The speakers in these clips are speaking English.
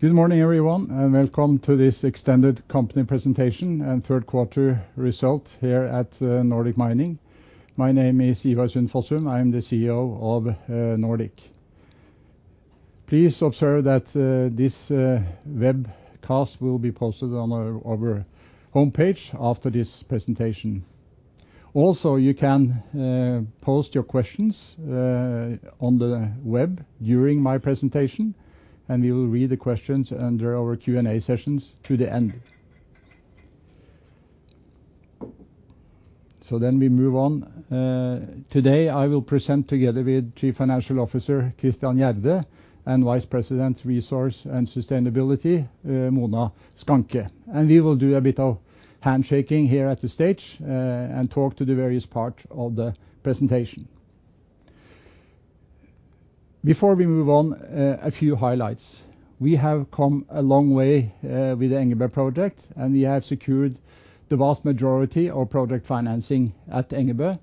Good morning, everyone, and welcome to this extended company presentation and third quarter result here at Nordic Mining. My name is Ivar Sunde-Fossum. I am the CEO of Nordic. Please observe that this webcast will be posted on our homepage after this presentation. Also, you can post your questions on the web during my presentation, and we will read the questions under our Q&A sessions to the end. We move on. Today, I will present together with Chief Financial Officer Christian Jåstad and Vice President, Resource and Sustainability, Mona Schanche. We will do a bit of handshaking here at the stage and talk to the various part of the presentation. Before we move on, a few highlights. We have come a long way with the Engebø project, and we have secured the vast majority of project financing at Engebø.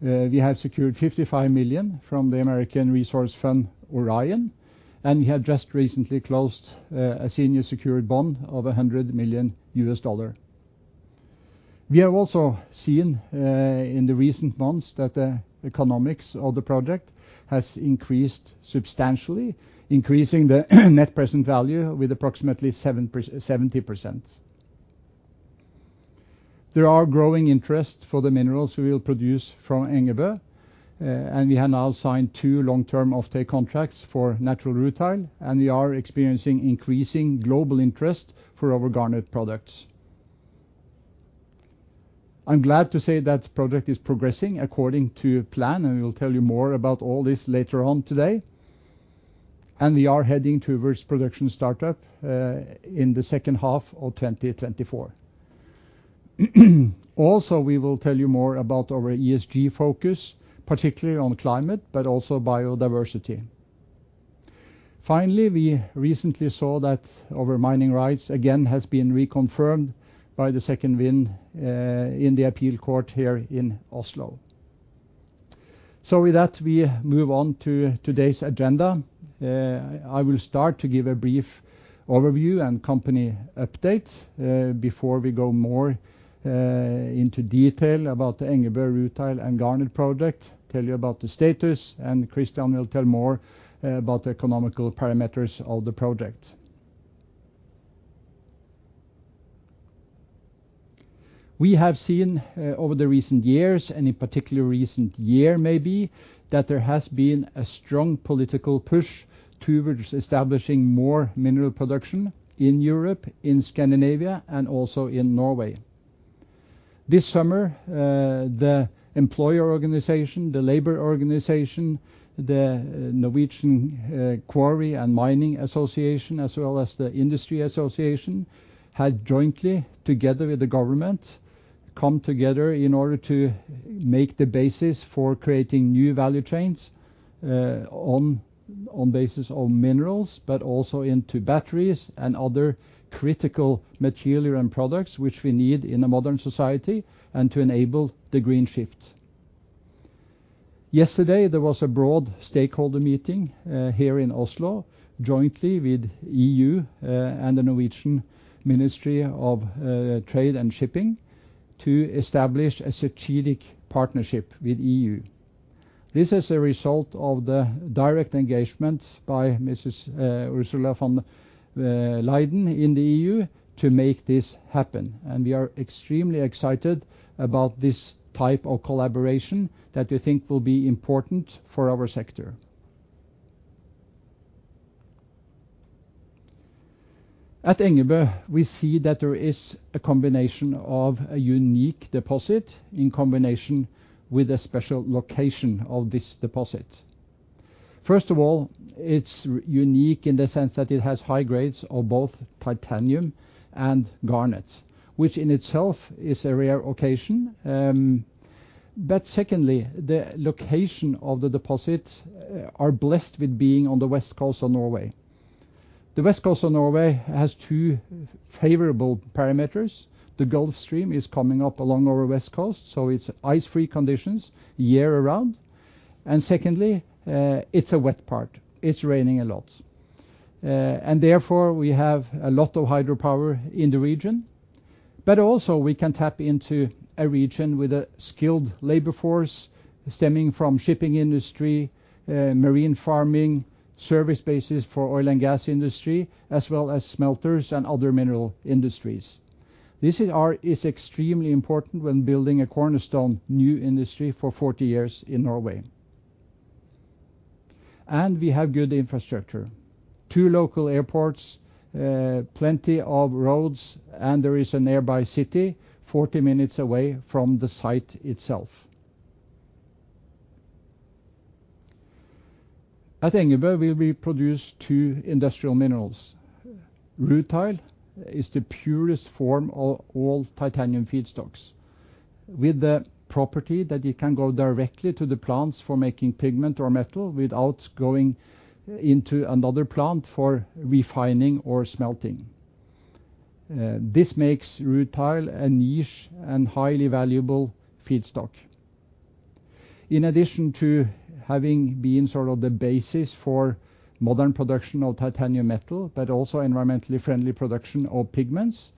We have secured $55 million from the American resource fund Orion, and we have just recently closed a senior secured bond of $100 million. We have also seen in the recent months that the economics of the project has increased substantially, increasing the Net Present Value with approximately 70%. There are growing interest for the minerals we will produce from Engebø, and we have now signed two long-term offtake contracts for Nordic rutile, and we are experiencing increasing global interest for our garnet products. I'm glad to say that project is progressing according to plan, and we will tell you more about all this later on today. We are heading towards production startup in the second half of 2024. Also, we will tell you more about our ESG focus, particularly on climate, but also biodiversity. Finally, we recently saw that our mining rights again has been reconfirmed by the second win in the Appeal Court here in Oslo. With that, we move on to today's agenda. I will start to give a brief overview and company update before we go more into detail about the Engebø rutile and garnet project, tell you about the status, and Christian will tell more about the economical parameters of the project. We have seen over the recent years, and in particular recent year maybe, that there has been a strong political push towards establishing more mineral production in Europe, in Scandinavia and also in Norway. This summer, the employer organization, the labor organization, the Norwegian Quarry and Mining Association, as well as the Industry Association, had jointly, together with the government, come together in order to make the basis for creating new value chains on basis of minerals, but also into batteries and other critical material and products which we need in a modern society and to enable the green shift. Yesterday, there was a broad stakeholder meeting here in Oslo jointly with EU and the Norwegian Ministry of Trade, Industry and Fisheries to establish a strategic partnership with EU. This is a result of the direct engagement by Mrs. Ursula von der Leyen in the EU to make this happen. We are extremely excited about this type of collaboration that we think will be important for our sector. At Engebø, we see that there is a combination of a unique deposit in combination with a special location of this deposit. First of all, it's unique in the sense that it has high grades of both titanium and garnet, which in itself is a rare occasion. Secondly, the location of the deposit are blessed with being on the west coast of Norway. The west coast of Norway has two favorable parameters. The Gulf Stream is coming up along our west coast, so it's ice-free conditions year-round. Secondly, it's a wet part. It's raining a lot. Therefore, we have a lot of hydropower in the region. Also we can tap into a region with a skilled labor force stemming from shipping industry, marine farming, service bases for oil and gas industry, as well as smelters and other mineral industries. This is extremely important when building a cornerstone new industry for 40 years in Norway. We have good infrastructure. Two local airports, plenty of roads, and there is a nearby city 40 minutes away from the site itself. At Engebø, we will produce two industrial minerals. Rutile is the purest form of all titanium feedstocks, with the property that it can go directly to the plants for making pigment or metal without going into another plant for refining or smelting. This makes rutile a niche and highly valuable feedstock. In addition to having been the basis for modern production of titanium metal, also environmentally friendly production of pigments,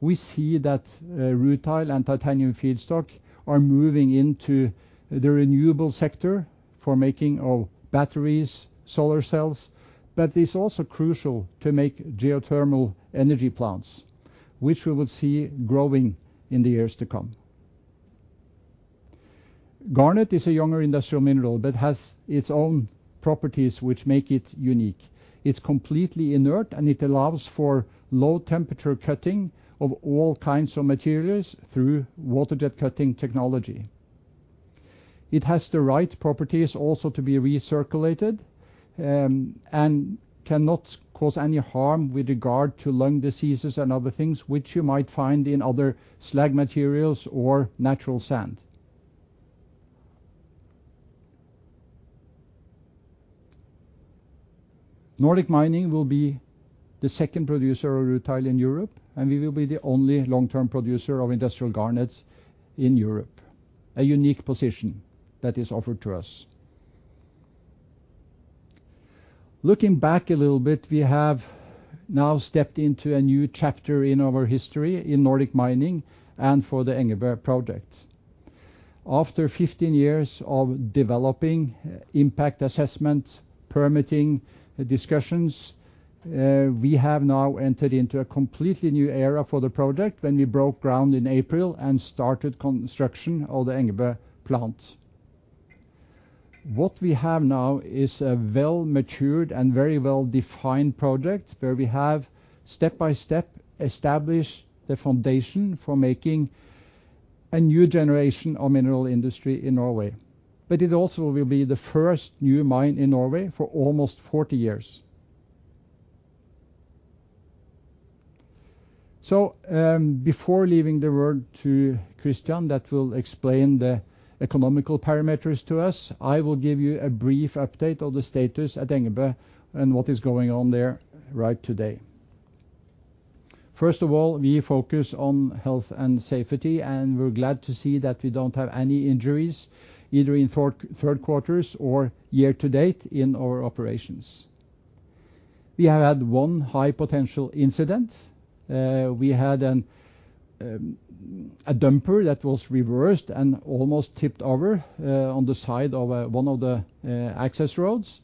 we see that rutile and titanium feedstock are moving into the renewable sector for making of batteries, solar cells. It's also crucial to make geothermal energy plants, which we will see growing in the years to come. Garnet is a younger industrial mineral that has its own properties which make it unique. It's completely inert, and it allows for low temperature cutting of all kinds of materials through water-jet cutting technology. It has the right properties also to be recirculated, and cannot cause any harm with regard to lung diseases and other things which you might find in other slag materials or natural sand. Nordic Mining will be the second producer of rutile in Europe, and we will be the only long-term producer of industrial garnets in Europe. A unique position that is offered to us. Looking back a little bit, we have now stepped into a new chapter in our history in Nordic Mining and for the Engebø project. After 15 years of developing impact assessment permitting discussions, we have now entered into a completely new era for the project when we broke ground in April and started construction of the Engebø plant. What we have now is a well matured and very well defined project where we have, step by step, established the foundation for making a new generation of mineral industry in Norway. It also will be the first new mine in Norway for almost 40 years. Before leaving the word to Christian that will explain the economical parameters to us, I will give you a brief update of the status at Engebø and what is going on there right today. First of all, we focus on health and safety, and we're glad to see that we don't have any injuries either in third quarters or year to date in our operations. We have had one high potential incident. We had a dumper that was reversed and almost tipped over on the side of one of the access roads.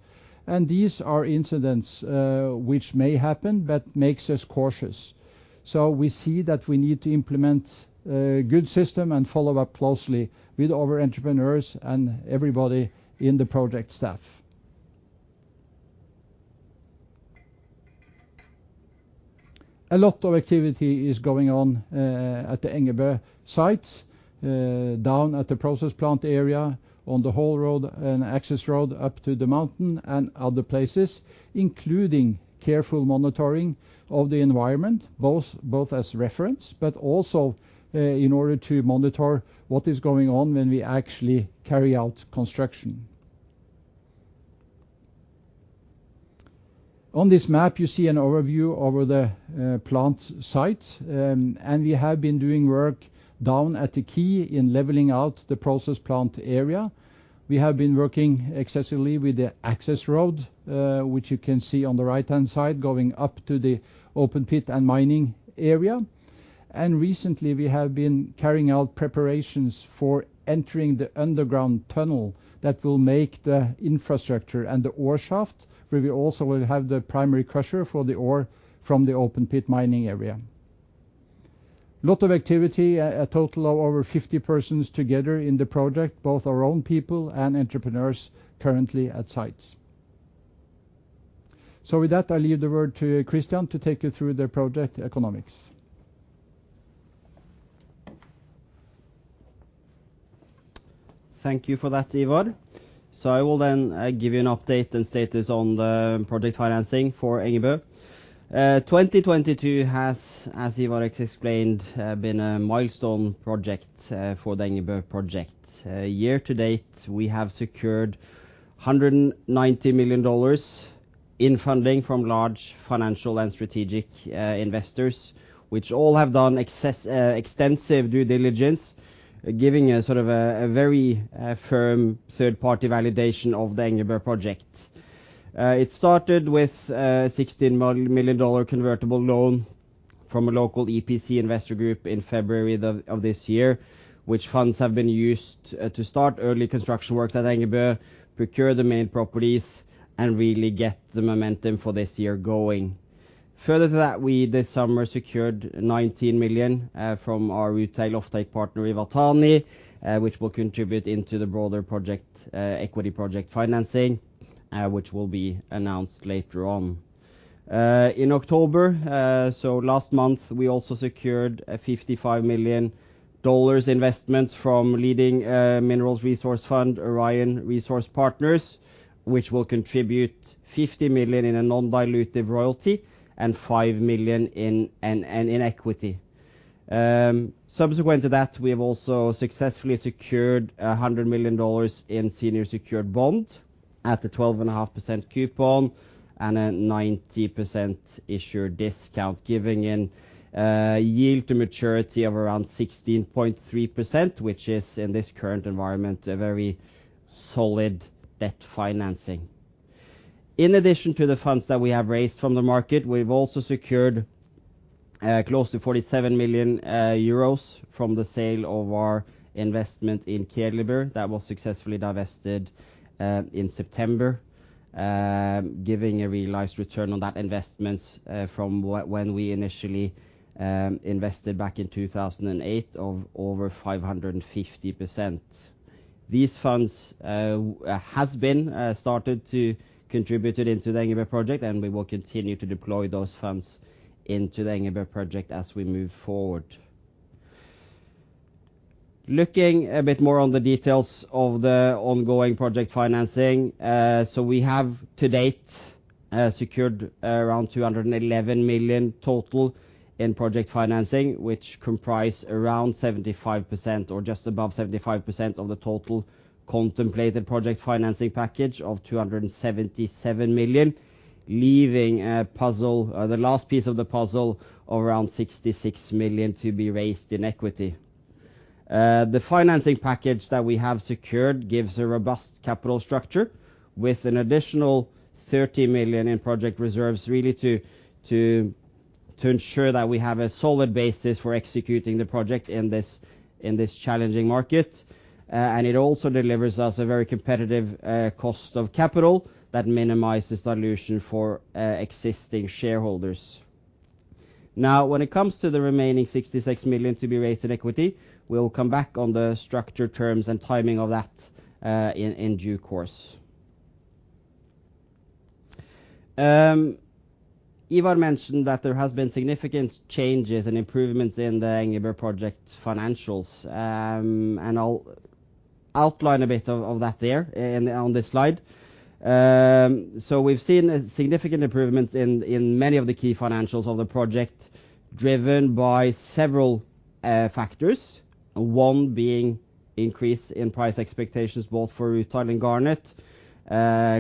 These are incidents which may happen but makes us cautious. We see that we need to implement a good system and follow up closely with our entrepreneurs and everybody in the project staff. A lot of activity is going on at the Engebø sites, down at the process plant area, on the haul road and access road up to the mountain and other places, including careful monitoring of the environment both as reference but also in order to monitor what is going on when we actually carry out construction. On this map you see an overview over the plant site. We have been doing work down at the key in leveling out the process plant area. We have been working excessively with the access road, which you can see on the right-hand side, going up to the open pit and mining area. Recently we have been carrying out preparations for entering the underground tunnel that will make the infrastructure and the ore shaft, where we also will have the primary crusher for the ore from the open pit mining area. Lot of activity. A total of over 50 persons together in the project, both our own people and entrepreneurs currently at site. With that, I leave the word to Christian to take you through the project economics. Thank you for that, Ivar. I will then give you an update and status on the project financing for Engebø. 2022 has, as Ivar explained, been a milestone project for the Engebø project. Year to date, we have secured $190 million in funding from large financial and strategic investors, which all have done extensive due diligence, giving a very firm third-party validation of the Engebø project. It started with a $16 million convertible loan from a local EPC investor group in February of this year, which funds have been used to start early construction works at Engebø, procure the main properties, and really get the momentum for this year going. Further to that, we this summer secured $19 million from our rutile offtake partner, Iwatani, which will contribute into the broader project equity project financing, which will be announced later on. In October, last month, we also secured a $55 million investments from leading minerals resource fund, Orion Resource Partners, which will contribute $50 million in a non-dilutive royalty and $5 million in equity. Subsequent to that, we have also successfully secured $100 million in senior secured bond at the 12.5% coupon and a 90% issuer discount, giving a yield to maturity of around 16.3%, which is, in this current environment, a very solid debt financing. In addition to the funds that we have raised from the market, we've also secured close to €47 million from the sale of our investment in Keliber that was successfully divested in September, giving a realized return on that investment from when we initially invested back in 2008 of over 550%. These funds have been started to contribute into the Engebø project, and we will continue to deploy those funds into the Engebø project as we move forward. Looking a bit more on the details of the ongoing project financing. We have, to date, secured around $211 million total in project financing, which comprise around 75% or just above 75% of the total contemplated project financing package of $277 million, leaving the last piece of the puzzle of around $66 million to be raised in equity. The financing package that we have secured gives a robust capital structure with an additional 30 million in project reserves really to ensure that we have a solid basis for executing the project in this challenging market. It also delivers us a very competitive cost of capital that minimizes dilution for existing shareholders. When it comes to the remaining 66 million to be raised in equity, we'll come back on the structure terms and timing of that in due course. Ivar mentioned that there has been significant changes and improvements in the Engebø Project financials. I'll outline a bit of that there on this slide. We've seen significant improvements in many of the key financials of the project, driven by several factors, one being increase in price expectations both for rutile and garnet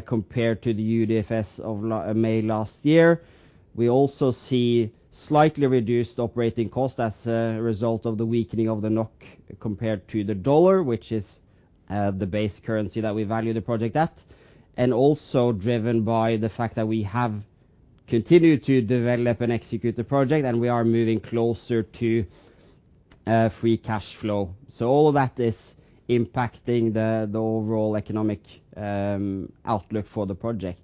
compared to the UDFS of May last year. We also see slightly reduced operating cost as a result of the weakening of the NOK compared to the U.S. dollar, which is the base currency that we value the project at. Also driven by the fact that we have continued to develop and execute the project, and we are moving closer to free cash flow. All of that is impacting the overall economic outlook for the project.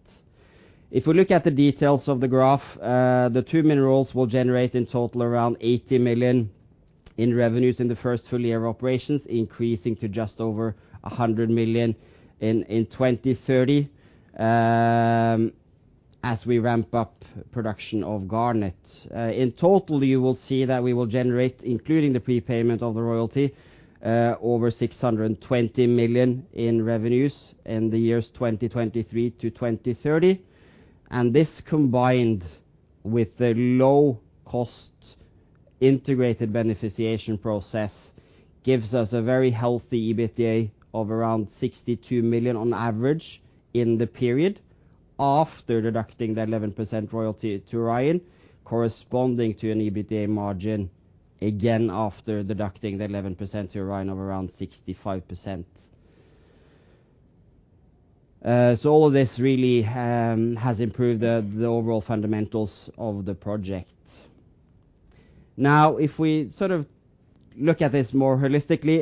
If we look at the details of the graph, the two minerals will generate in total around $80 million in revenues in the first full year of operations, increasing to just over $100 million in 2030, as we ramp up production of garnet. In total, you will see that we will generate, including the prepayment of the royalty, over $620 million in revenues in the years 2023-2030. This, combined with the low-cost integrated beneficiation process, gives us a very healthy EBITDA of around $62 million on average in the period after deducting the 11% royalty to Orion, corresponding to an EBITDA margin, again after deducting the 11% to Orion, of around 65%. All of this really has improved the overall fundamentals of the project. If we look at this more holistically,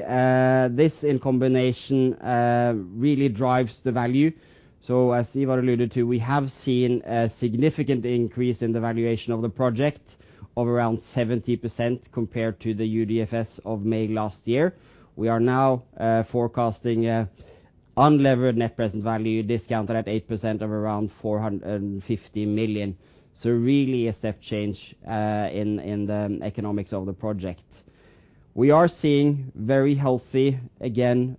this in combination really drives the value. As Ivar alluded to, we have seen a significant increase in the valuation of the project of around 70% compared to the UDFS of May last year. We are now forecasting unlevered net present value discounted at 8% of around $450 million. Really a step change in the economics of the project. We are seeing very healthy, again,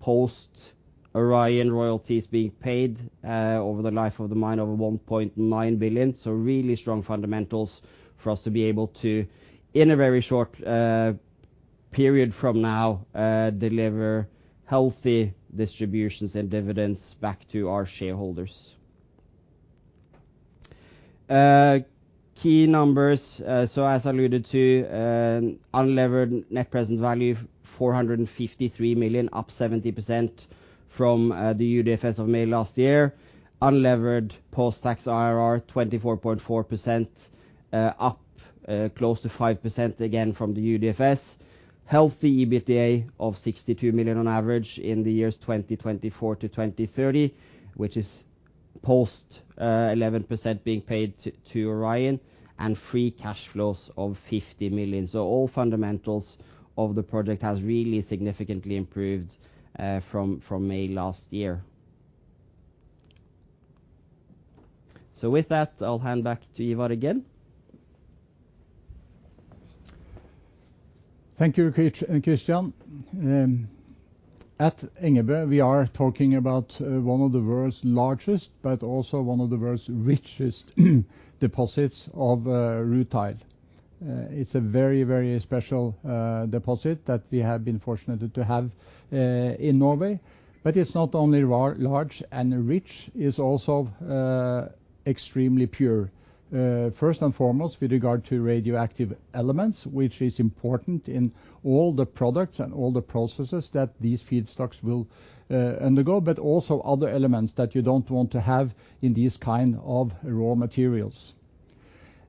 post-Orion royalties being paid over the life of the mine, over $1.9 billion. Really strong fundamentals for us to be able to, in a very short period from now, deliver healthy distributions and dividends back to our shareholders. Key numbers. As alluded to, unlevered net present value of $ 453 million, up 70% from the UDFS of May last year. Unlevered post-tax IRR 24.4%, up close to 5%, again from the UDFS. Healthy EBITDA of $62 million on average in the years 2024-2030, which is post-11% being paid to Orion, and free cash flows of 50 million. All fundamentals of the project has really significantly improved from May last year. With that, I'll hand back to Ivar again. Thank you, Christian. At Engebø, we are talking about one of the world's largest, but also one of the world's richest deposits of rutile. It's a very special deposit that we have been fortunate to have in Norway. It's not only large and rich, it's also extremely pure. First and foremost, with regard to radioactive elements, which is important in all the products and all the processes that these feedstocks will undergo, but also other elements that you don't want to have in these kind of raw materials.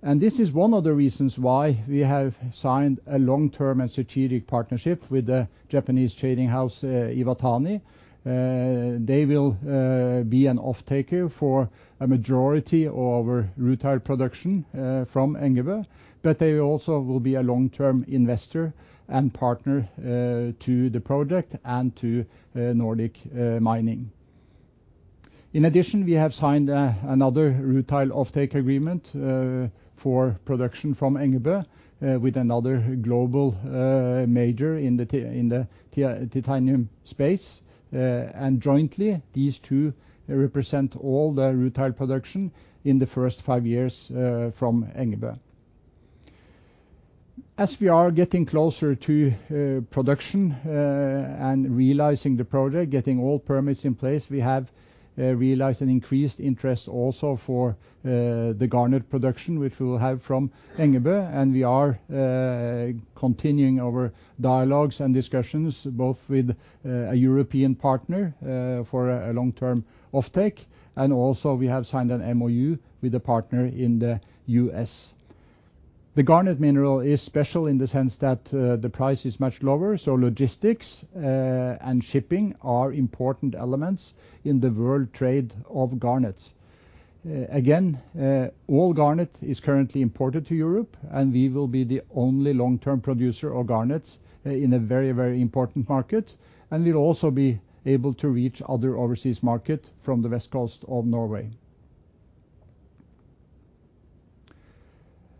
This is one of the reasons why we have signed a long-term and strategic partnership with the Japanese trading house, Iwatani. They will be an offtaker for a majority of our rutile production from Engebø, but they also will be a long-term investor and partner to the project and to Nordic Mining. In addition, we have signed another rutile offtake agreement for production from Engebø with another global major in the titanium space. Jointly, these two represent all the rutile production in the first five years from Engebø. As we are getting closer to production and realizing the project, getting all permits in place, we have realized an increased interest also for the garnet production, which we will have from Engebø, and we are continuing our dialogues and discussions, both with a European partner for a long-term offtake, and also we have signed an MoU with a partner in the U.S. The garnet mineral is special in the sense that the price is much lower, so logistics and shipping are important elements in the world trade of garnet. All garnet is currently imported to Europe, and we will be the only long-term producer of garnets in a very important market, and we'll also be able to reach other overseas market from the west coast of Norway.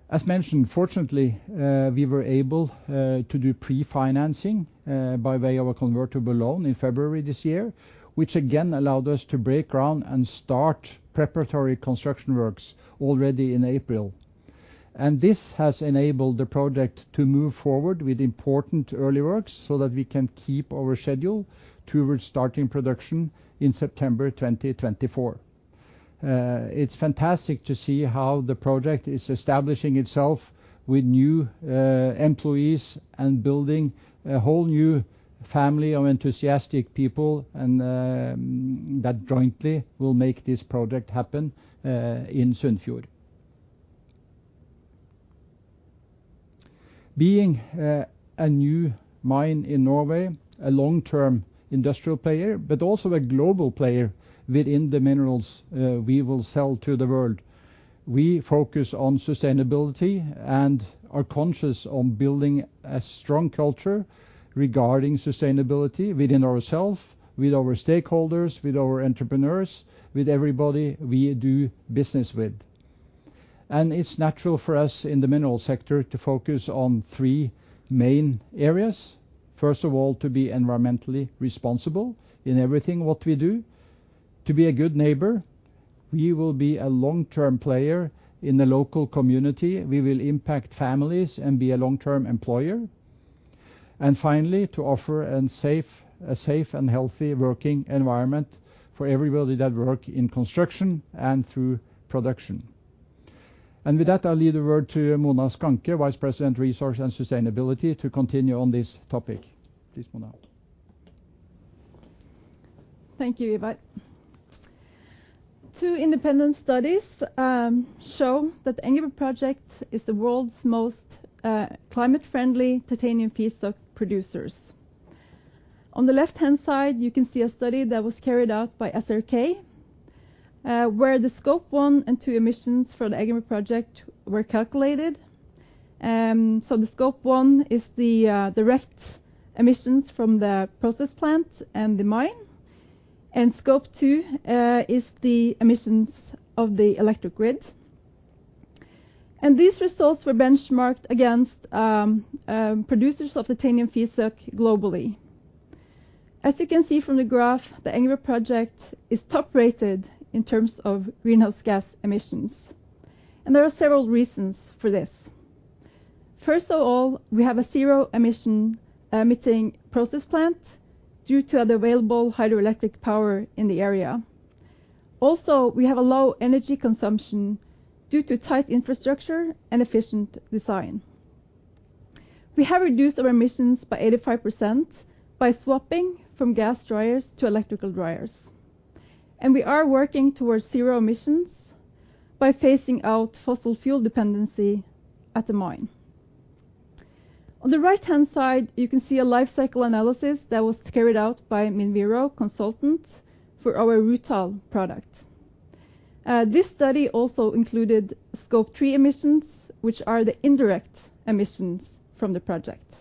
As mentioned, fortunately, we were able to do pre-financing by way of a convertible loan in February this year, which again allowed us to break ground and start preparatory construction works already in April. This has enabled the project to move forward with important early works so that we can keep our schedule towards starting production in September 2024. It's fantastic to see how the project is establishing itself with new employees and building a whole new family of enthusiastic people, and that jointly will make this project happen in Sunnfjord. Being a new mine in Norway, a long-term industrial player, but also a global player within the minerals we will sell to the world. We focus on sustainability and are conscious on building a strong culture regarding sustainability within ourself, with our stakeholders, with our entrepreneurs, with everybody we do business with. It's natural for us in the minerals sector to focus on three main areas. First of all, to be environmentally responsible in everything what we do. To be a good neighbor. We will be a long-term player in the local community. We will impact families and be a long-term employer. Finally, to offer a safe and healthy working environment for everybody that work in construction and through production. With that, I'll leave the word to Mona Schanche, Vice President, Resource and Sustainability, to continue on this topic. Please, Mona. Thank you, Ivar. Two independent studies show that the Engebø project is the world's most climate-friendly titanium feedstock producers. On the left-hand side, you can see a study that was carried out by SRK where the Scope 1 and 2 emissions for the Engebø project were calculated. The Scope 1 is the direct emissions from the process plant and the mine, and Scope 2 is the emissions of the electric grid. These results were benchmarked against producers of titanium feedstock globally. As you can see from the graph, the Engebø project is top-rated in terms of greenhouse gas emissions. There are several reasons for this. First of all, we have a zero-emitting process plant due to the available hydroelectric power in the area. We have a low energy consumption due to tight infrastructure and efficient design. We have reduced our emissions by 85% by swapping from gas dryers to electrical dryers, and we are working towards zero emissions by phasing out fossil fuel dependency at the mine. On the right-hand side, you can see a life cycle analysis that was carried out by Minviro consultant for our rutile product. This study also included Scope 3 emissions, which are the indirect emissions from the project.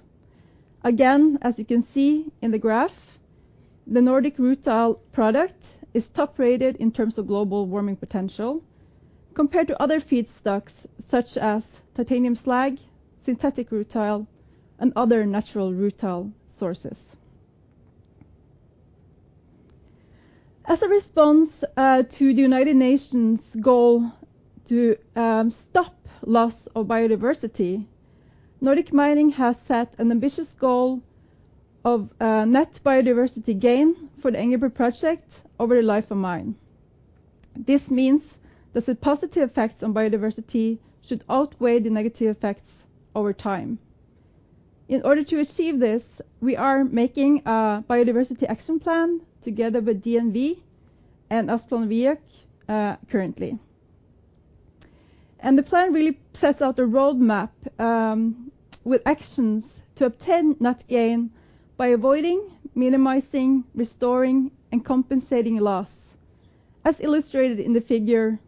Again, as you can see in the graph, the Nordic rutile product is top-rated in terms of global warming potential compared to other feedstocks such as titanium slag, synthetic rutile, and other natural rutile sources. As a response to the United Nations goal to stop loss of biodiversity, Nordic Mining has set an ambitious goal of net biodiversity gain for the Engebø project over the life of mine. This means that the positive effects on biodiversity should outweigh the negative effects over time. In order to achieve this, we are making a biodiversity action plan together with DNV and Asplan Viak currently. The plan really sets out a roadmap with actions to obtain net gain by avoiding, minimizing, restoring, and compensating loss, as illustrated in the figure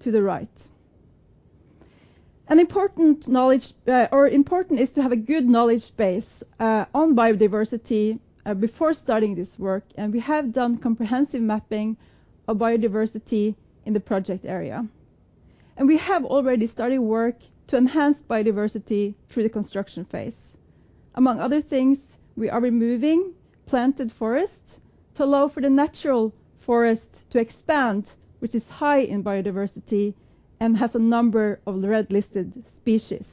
to the right. Important is to have a good knowledge base on biodiversity before starting this work, and we have done comprehensive mapping of biodiversity in the project area. We have already started work to enhance biodiversity through the construction phase. Among other things, we are removing planted forests to allow for the natural forest to expand, which is high in biodiversity and has a number of red-listed species.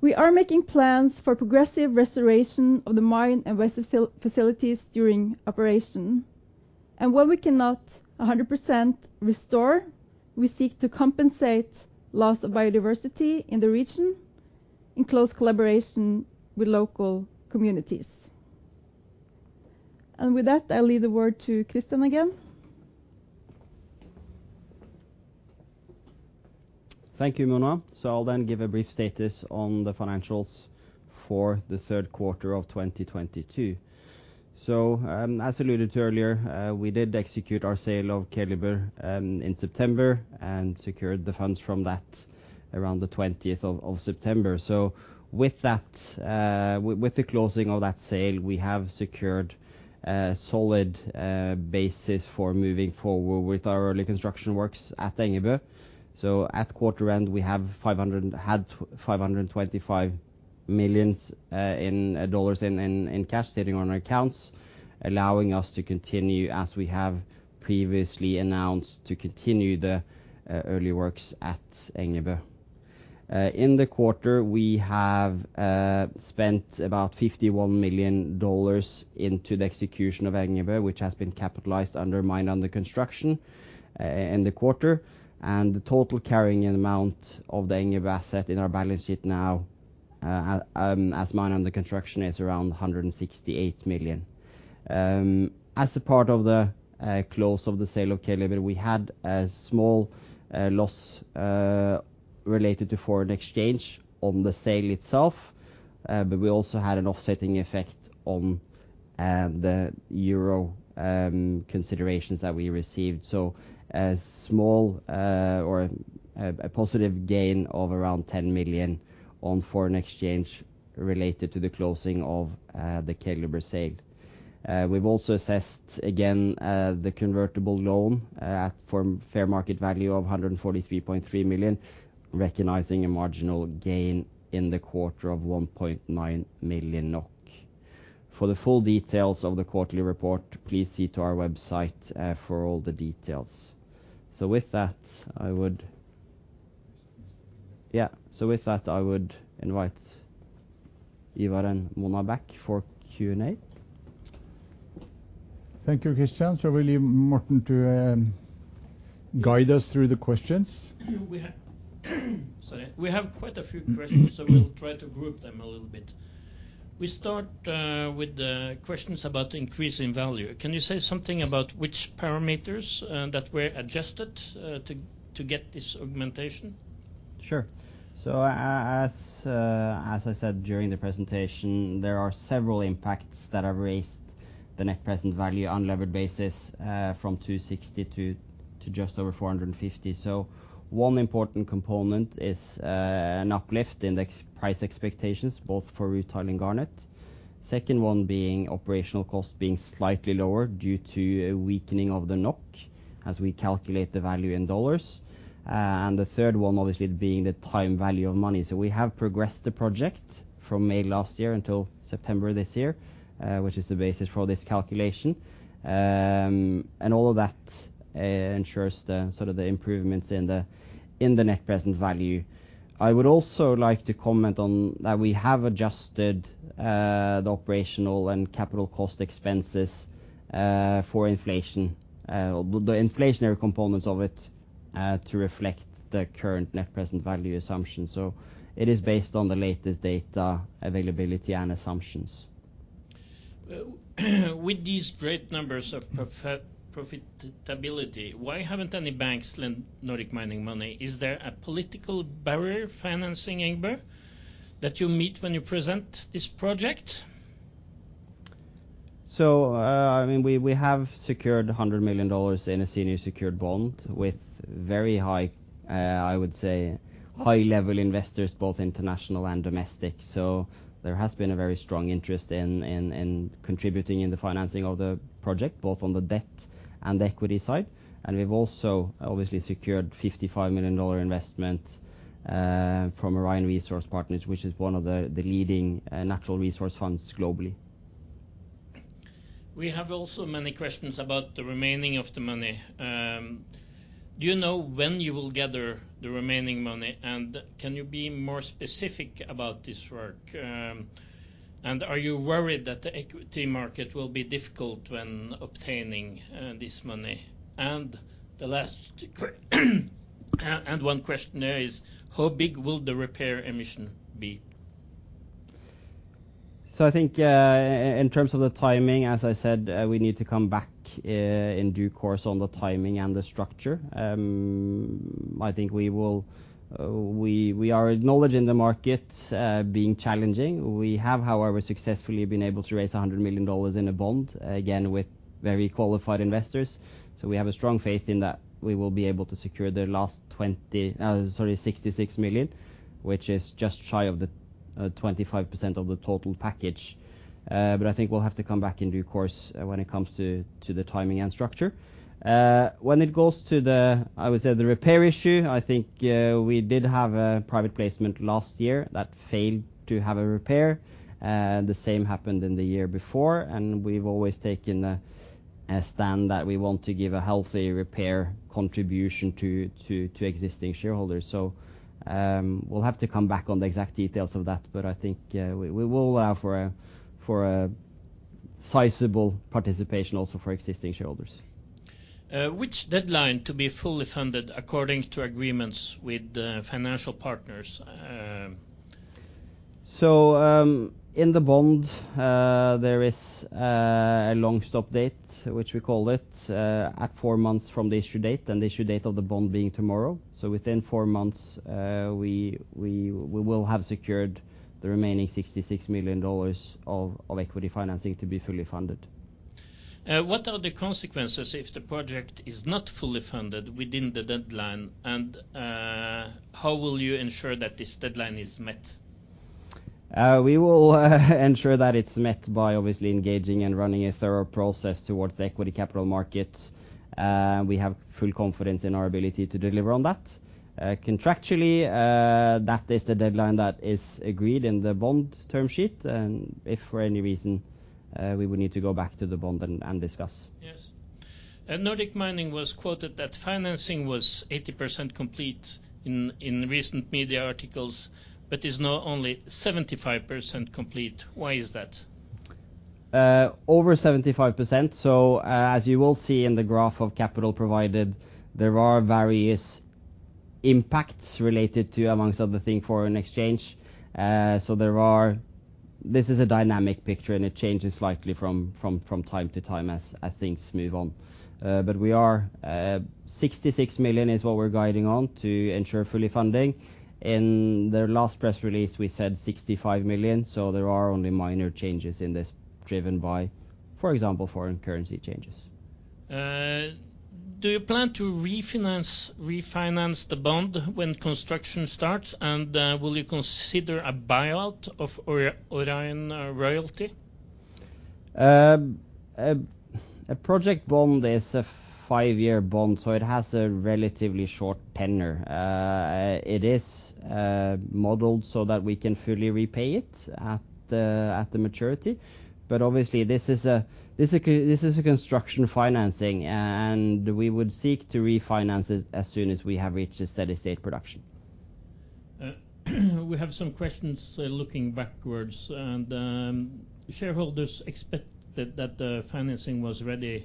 We are making plans for progressive restoration of the mine and waste facilities during operation. Where we cannot 100% restore, we seek to compensate loss of biodiversity in the region in close collaboration with local communities. With that, I leave the word to Christian again. Thank you, Mona. I'll then give a brief status on the financials for the third quarter of 2022. As alluded to earlier, we did execute our sale of Keliber in September and secured the funds from that around the 20th of September. With the closing of that sale, we have secured a solid basis for moving forward with our early construction works at Engebø. At quarter end, we had NOK 525 million in cash sitting on our accounts, allowing us to continue, as we have previously announced, to continue the early works at Engebø. In the quarter, we have spent about NOK 51 million into the execution of Engebø, which has been capitalized under mine under construction in the quarter. The total carrying amount of the Engebø asset in our balance sheet now as mine under construction is around 168 million. As a part of the close of the sale of Keliber, we had a small loss related to foreign exchange on the sale itself, but we also had an offsetting effect on the EUR considerations that we received. A positive gain of around 10 million on foreign exchange related to the closing of the Keliber sale. We've also assessed again, the convertible loan at fair market value of 143.3 million, recognizing a marginal gain in the quarter of 1.9 million NOK. For the full details of the quarterly report, please see to our website for all the details. With that, I would invite Ivar and Mona back for Q&A. Thank you, Christian. We leave Martin to guide us through the questions. Sorry. We have quite a few questions, so we'll try to group them a little bit. We start with the questions about increase in value. Can you say something about which parameters that were adjusted to get this augmentation? Sure. As I said during the presentation, there are several impacts that have raised the net present value on levered basis from $260 to just over $450. One important component is an uplift in the price expectations both for rutile and garnet. The second one being operational cost being slightly lower due to a weakening of the NOK, as we calculate the value in dollars. The third one obviously being the time value of money. We have progressed the project from May last year until September this year, which is the basis for this calculation. All of that ensures the improvements in the net present value. I would also like to comment on that we have adjusted the operational and capital cost expenses for inflation, the inflationary components of it, to reflect the current net present value assumption. It is based on the latest data availability and assumptions. With these great numbers of profitability, why haven't any banks lent Nordic Mining money? Is there a political barrier financing Engebø that you meet when you present this project? We have secured $100 million in a senior secured bond with very high, I would say, high-level investors, both international and domestic. There has been a very strong interest in contributing in the financing of the project, both on the debt and the equity side. We've also, obviously, secured $55 million investment from Orion Resource Partners, which is one of the leading natural resource funds globally. We have also many questions about the remaining of the money. Do you know when you will gather the remaining money, and can you be more specific about this work? Are you worried that the equity market will be difficult when obtaining this money? One question there is, how big will the repair issue be? I think in terms of the timing, as I said, we need to come back in due course on the timing and the structure. I think we are acknowledging the market being challenging. We have, however, successfully been able to raise $100 million in a bond, again, with very qualified investors. We have a strong faith in that. We will be able to secure the last $66 million, which is just shy of the 25% of the total package. I think we'll have to come back in due course when it comes to the timing and structure. When it goes to the, I would say the repair issue, I think we did have a private placement last year that failed to have a repair. The same happened in the year before. We've always taken a stand that we want to give a healthy repair contribution to existing shareholders. We'll have to come back on the exact details of that. I think we will allow for a sizable participation also for existing shareholders. Which deadline to be fully funded according to agreements with financial partners? In the bond, there is a long stop date, which we call it, at four months from the issue date and the issue date of the bond being tomorrow. Within four months, we will have secured the remaining $66 million of equity financing to be fully funded. What are the consequences if the project is not fully funded within the deadline, and how will you ensure that this deadline is met? We will ensure that it's met by obviously engaging and running a thorough process towards the equity capital market. We have full confidence in our ability to deliver on that. Contractually, that is the deadline that is agreed in the bond term sheet. If for any reason, we would need to go back to the bond and discuss. Yes. Nordic Mining was quoted that financing was 80% complete in recent media articles, but is now only 75% complete. Why is that? Over 75%. As you will see in the graph of capital provided, there are various impacts related to, amongst other thing, foreign exchange. This is a dynamic picture, and it changes slightly from time to time as things move on. Obviously this is a construction financing, and we would seek to refinance it as soon as we have reached a steady state production. $66 million is what we're guiding on to ensure fully funding. In the last press release, we said $65 million, there are only minor changes in this driven by, for example, foreign currency changes. Do you plan to refinance the bond when construction starts? Will you consider a buyout of Orion Royalty? A project bond is a five-year bond, it has a relatively short tenor. It is modeled that we can fully repay it at the maturity. Obviously this is a construction financing, and we would seek to refinance it as soon as we have reached a steady state production. We have some questions looking backwards. Shareholders expected that the financing was ready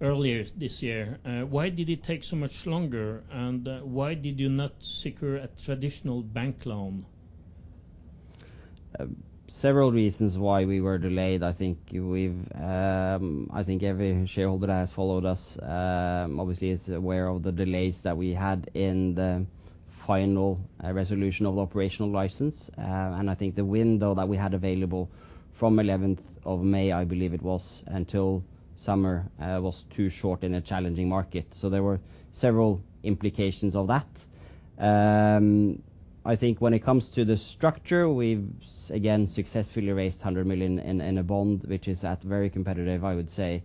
earlier this year. Why did it take so much longer, and why did you not secure a traditional bank loan? Several reasons why we were delayed. I think every shareholder that has followed us, obviously is aware of the delays that we had in the final resolution of the operational license. I think the window that we had available from 11th of May, I believe it was, until summer was too short in a challenging market. There were several implications of that. I think when it comes to the structure, we've again successfully raised $100 million in a bond, which is at very competitive, I would say,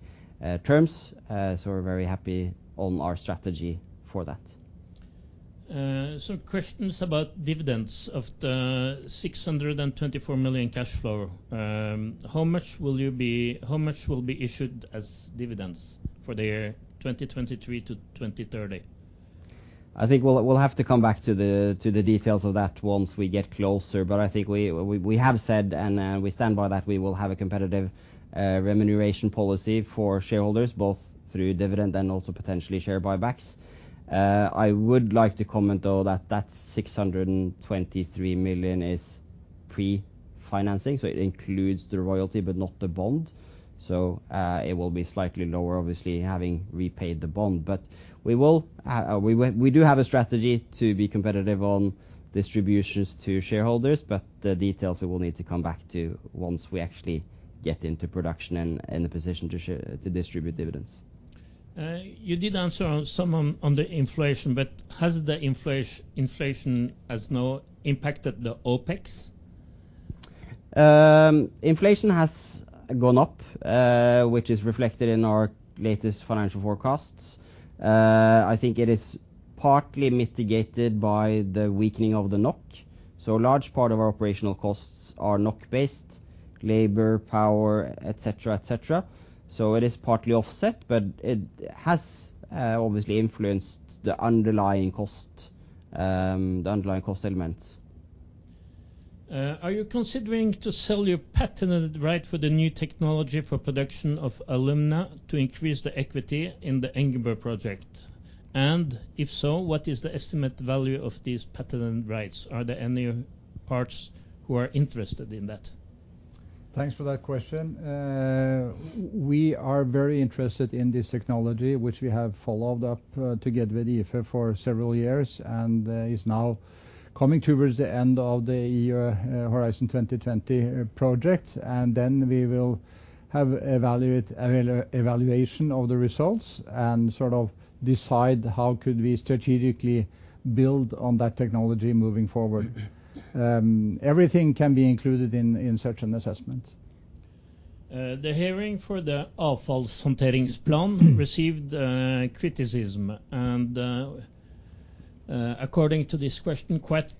terms. We're very happy on our strategy for that. Some questions about dividends of the $624 million cash flow. How much will be issued as dividends for the year 2023 to 2030? I think we'll have to come back to the details of that once we get closer. I think we have said, and we stand by that we will have a competitive remuneration policy for shareholders, both through dividend and also potentially share buybacks. I would like to comment though that that $623 million is pre-financing, it includes the royalty but not the bond. It will be slightly lower, obviously, having repaid the bond. We do have a strategy to be competitive on distributions to shareholders, but the details we will need to come back to once we actually get into production and in the position to distribute dividends. You did answer on some on the inflation, has the inflation as now impacted the OPEX? Inflation has gone up, which is reflected in our latest financial forecasts. I think it is partly mitigated by the weakening of the NOK. A large part of our operational costs are NOK based, labor, power, et cetera. It is partly offset, but it has obviously influenced the underlying cost elements. Are you considering to sell your patented right for the new technology for production of alumina to increase the equity in the Engebø project? If so, what is the estimate value of these patented rights? Are there any parties who are interested in that? Thanks for that question. We are very interested in this technology, which we have followed up together with IFE for several years, and is now coming towards the end of the Horizon 2020 project. Then we will have evaluation of the results and decide how could we strategically build on that technology moving forward. Everything can be included in such an assessment. The hearing for the Avfallshåndteringsplan received criticism, and according to this question, quite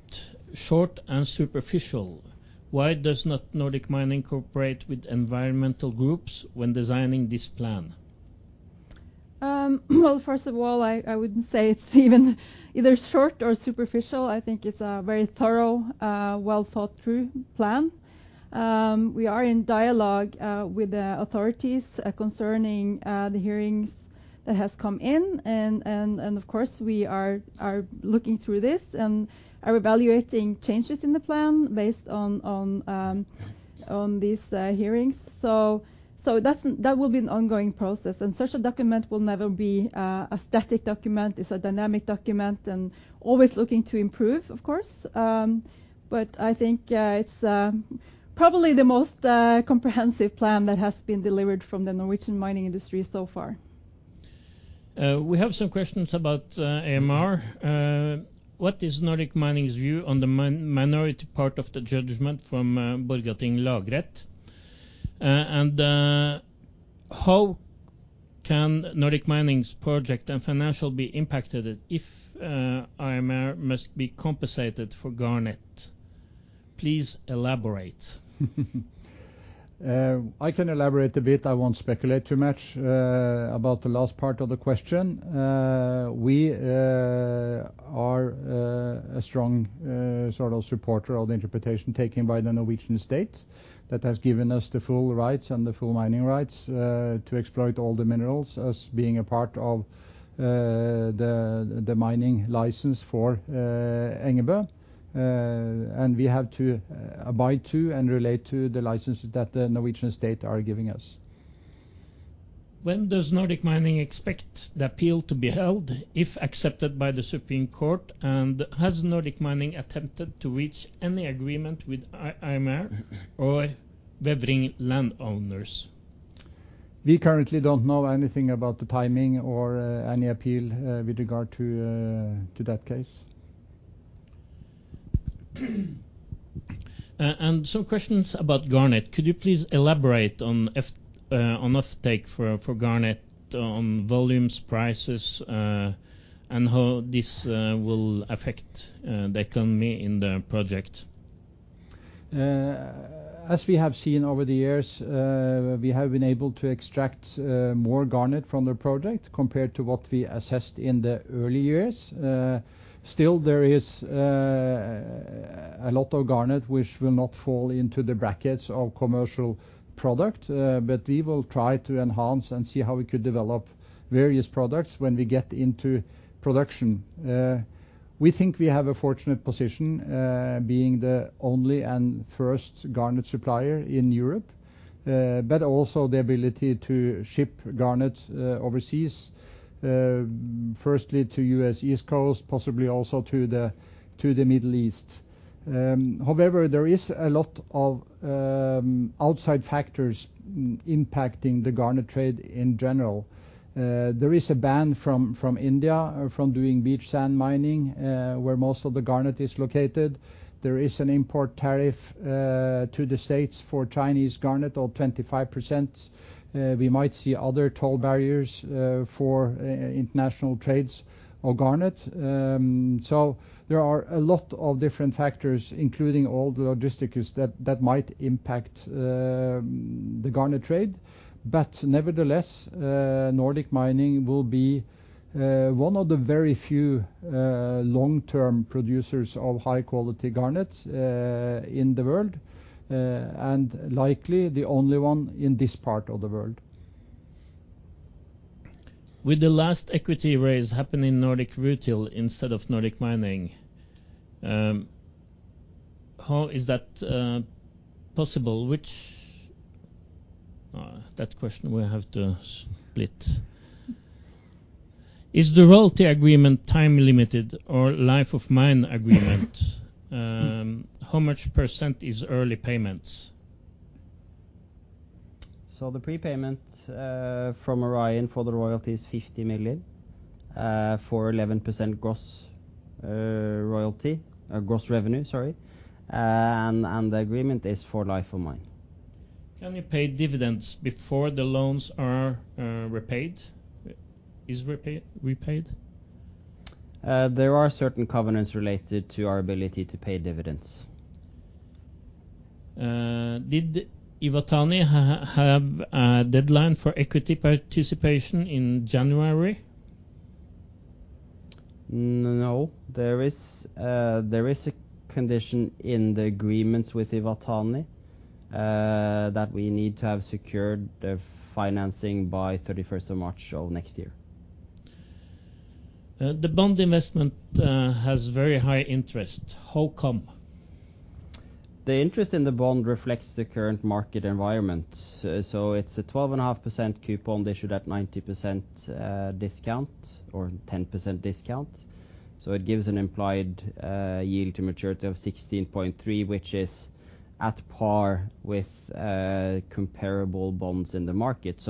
short and superficial. Why does not Nordic Mining cooperate with environmental groups when designing this plan? Well, first of all, I wouldn't say it's even either short or superficial. I think it's a very thorough, well-thought-through plan. We are in dialogue with the authorities concerning the hearings that has come in, and of course, we are looking through this and are evaluating changes in the plan based on these hearings. That will be an ongoing process, and such a document will never be a static document. It's a dynamic document and always looking to improve, of course. I think it's probably the most comprehensive plan that has been delivered from the Norwegian mining industry so far. We have some questions about AMR. What is Nordic Mining's view on the minority part of the judgment from Borgarting Lagmannsrett? How can Nordic Mining's project and financial be impacted if AMR must be compensated for garnet? Please elaborate. I can elaborate a bit. I won't speculate too much about the last part of the question. We are a strong supporter of the interpretation taken by the Norwegian state that has given us the full rights and the full mining rights to exploit all the minerals as being a part of the mining license for Engebø. We have to abide to and relate to the licenses that the Norwegian state are giving us. When does Nordic Mining expect the appeal to be held if accepted by the Supreme Court, and has Nordic Mining attempted to reach any agreement with AMR or Vevring landowners? We currently don't know anything about the timing or any appeal with regard to that case. Some questions about garnet. Could you please elaborate on offtake for garnet on volumes, prices, and how this will affect the economy in the project? As we have seen over the years, we have been able to extract more garnet from the project compared to what we assessed in the early years. Still, there is a lot of garnet which will not fall into the brackets of commercial product. We will try to enhance and see how we could develop various products when we get into production. We think we have a fortunate position being the only and first garnet supplier in Europe, but also the ability to ship garnet overseas, firstly to U.S. East Coast, possibly also to the Middle East. However, there is a lot of outside factors impacting the garnet trade in general. There is a ban from India from doing beach sand mining, where most of the garnet is located. There is an import tariff to the States for Chinese garnet of 25%. We might see other toll barriers for international trades of garnet. There are a lot of different factors, including all the logistics that might impact the garnet trade. Nevertheless, Nordic Mining will be one of the very few long-term producers of high-quality garnets in the world, and likely the only one in this part of the world. With the last equity raise happening Nordic Rutile instead of Nordic Mining, how is that possible? That question we have to split. Is the royalty agreement time limited or life of mine agreement? How much % is early payments? The prepayment from Orion for the royalty is 50 million for 11% gross revenue, the agreement is for life of mine. Can you pay dividends before the loans are repaid? There are certain covenants related to our ability to pay dividends. Did Iwatani have a deadline for equity participation in January? No. There is a condition in the agreements with Iwatani that we need to have secured the financing by 31st of March of next year. The bond investment has very high interest. How come? The interest in the bond reflects the current market environment. It's a 12.5% coupon issued at 90% discount or 10% discount. It gives an implied yield to maturity of 16.3%, which is at par with comparable bonds in the market.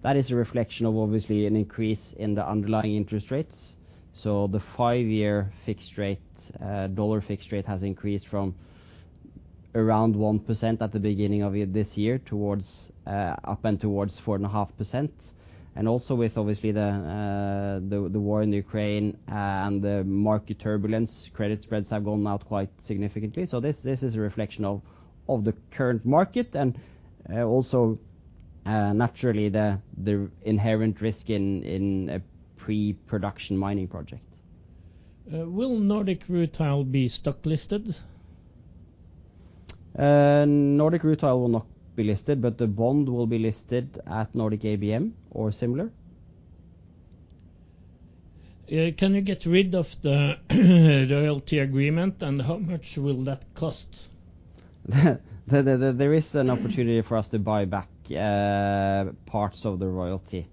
That is a reflection of obviously an increase in the underlying interest rates. The five-year USD fixed rate has increased from around 1% at the beginning of this year up and towards 4.5%. Also with obviously the war in Ukraine and the market turbulence, credit spreads have gone out quite significantly. This is a reflection of the current market and also naturally the inherent risk in a pre-production mining project. Will Nordic Rutile be stock listed? Nordic Rutile will not be listed, but the bond will be listed at Nordic ABM or similar. Can you get rid of the royalty agreement, and how much will that cost? There is an opportunity for us to buy back parts of the royalty.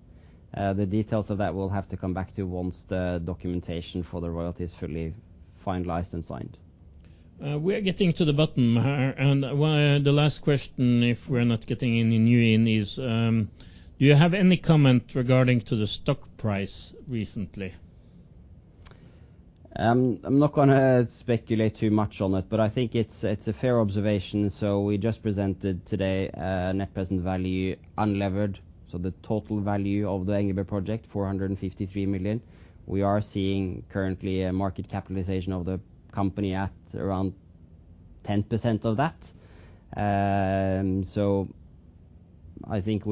The details of that we'll have to come back to once the documentation for the royalty is fully finalized and signed. We are getting to the bottom. The last question, if we're not getting any new in, is do you have any comment regarding to the stock price recently? I'm not going to speculate too much on it, but I think it's a fair observation. We just presented today a net present value unlevered. The total value of the Engebø project, 453 million. We are seeing currently a market capitalization of the company at around 10% of that. I think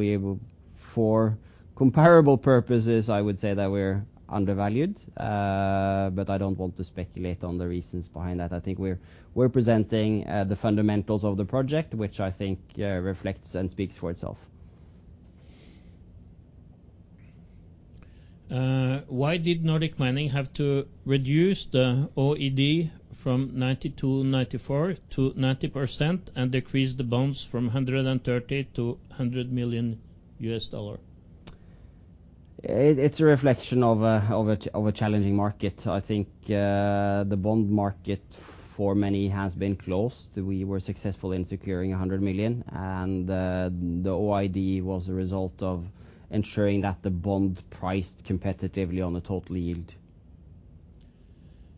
for comparable purposes, I would say that we're undervalued, but I don't want to speculate on the reasons behind that. I think we're presenting the fundamentals of the project, which I think reflects and speaks for itself. Why did Nordic Mining have to reduce the OID from 90% to 94% to 90% and decrease the bonds from $130 million to $100 million? It's a reflection of a challenging market. I think the bond market for many has been closed. We were successful in securing 100 million. The OID was a result of ensuring that the bond priced competitively on the total yield.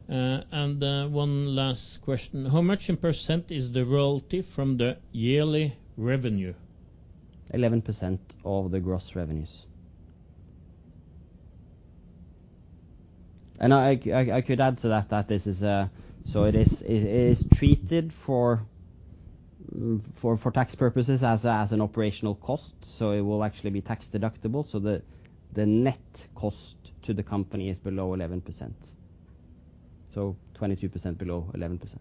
One last question. How much in % is the royalty from the yearly revenue? 11% of the gross revenues. I could add to that, it is treated for tax purposes as an operational cost, it will actually be tax deductible. The net cost to the company is below 11%, 22% below 11%.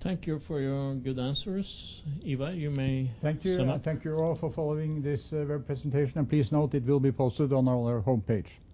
Thank you for your good answers. Ivar, you may sum up. Thank you. Thank you all for following this web presentation, and please note it will be posted on our homepage.